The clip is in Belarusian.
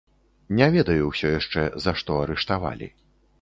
Не ведаю ўсё яшчэ за што арыштавалі.